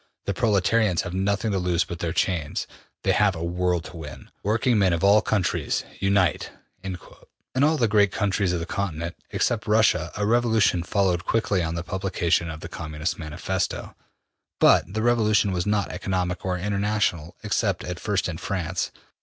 The proletarians have nothing to lose but their chains. They have a world to win. Working men of all countries, unite!'' In all the great countries of the Continent, except Russia, a revolution followed quickly on the publication of the Communist Manifesto, but the revolution was not economic or international, except at first in France.